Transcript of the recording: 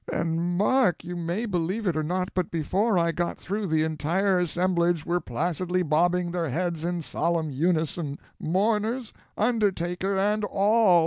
And, Mark, you may believe it or not, but before I got through the entire assemblage were placidly bobbing their heads in solemn unison, mourners, undertaker, and all.